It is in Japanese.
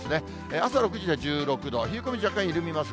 朝６時で１６度、冷え込み若干緩みます。